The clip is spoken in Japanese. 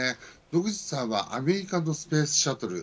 野口さんはアメリカのスペースシャトル